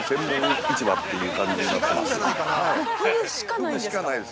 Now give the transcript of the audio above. ◆ふぐしかないです。